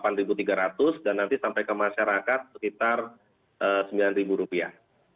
nanti sampai ke masyarakat sekitar sembilan rupiah